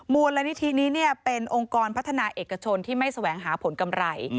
มูลนิธินี้เป็นองค์กรพัฒนาเอกชนที่ไม่แสวงหาผลกำไร